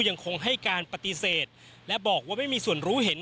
ยังคงให้การปฏิเสธและบอกว่าไม่มีส่วนรู้เห็น